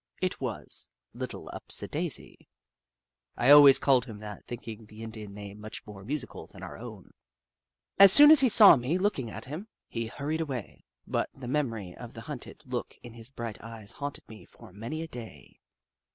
It was Little Up sidaisi ! I always called him that, thinking the Indian name much more musical than our own. As soon as he saw me looking at him, he hurried away, but the memory of the hunted look in his bright eyes haunted me for many a day.